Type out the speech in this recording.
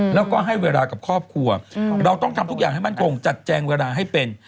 แล้วก็ให้เวลากับครอบครัวเราต้องทำทุกอย่างให้มั่นคงจัดแจงเวลาให้เป็น